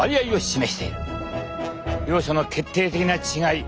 両者の決定的な違い